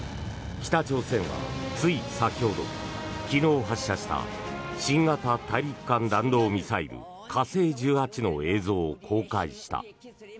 北朝鮮はつい先ほど昨日発射した新型大陸間弾道ミサイル火星１８の映像を公開した。